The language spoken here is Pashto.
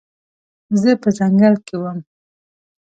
زه په ځنګل کې وم